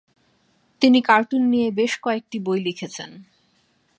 তিনি কার্টুন নিয়ে বেশ কয়েকটি বই লিখেছেন।